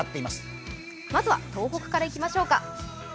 まずは東北からいきましょうか。